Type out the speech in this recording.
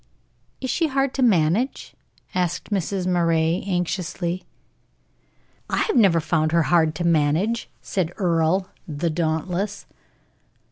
"Is she hard to manage?" asked Mrs. Moray, anxiously. "I never found her hard to manage," said Earle, the dauntless.